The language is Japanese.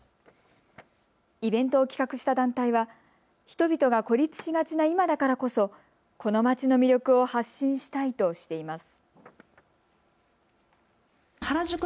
イベントを企画した団体は人々が孤立しがちな今だからこそこの街の魅力を発信したいとしています。